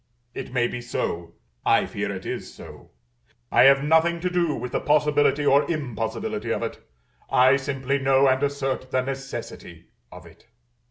It may be so I fear it is so: I have nothing to do with the possibility or impossibility of it; I simply know and assert the necessity of it.